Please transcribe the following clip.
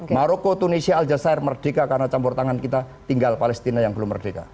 maroko tunisia al jazeera merdeka karena campur tangan kita tinggal palestina yang belum merdeka